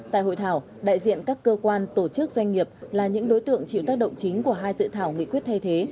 tại hội thảo đại diện các cơ quan tổ chức doanh nghiệp là những đối tượng chịu tác động chính của hai dự thảo nghị quyết thay thế